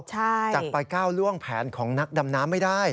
จะไปก้าวล่วงแผนของนักดำน้ำไม่ได้